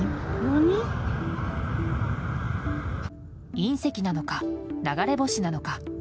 隕石なのか、流れ星なのか。